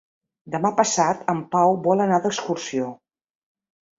Demà passat en Pau vol anar d'excursió.